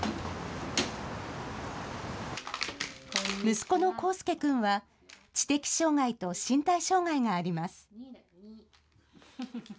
息子の康助くんは、知的障害と身体障害があります。